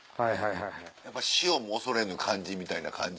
やっぱ死をも恐れぬ感じみたいな感じ。